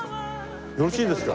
よろしいですか？